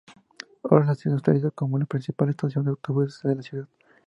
Ahora la estación se utiliza como la principal estación de autobuses de la ciudad.